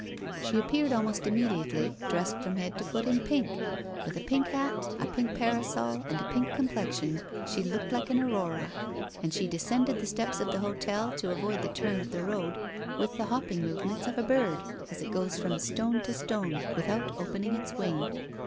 She appeared almost immediately, dressed from head to foot in pink with a pink hat, a pink parasol, and a pink complexion, she looked like an aurora, and she descended the steps of the hotel to avoid the turn of the road with the hopping movements of a bird, as it goes from stone to stone, without opening its wing.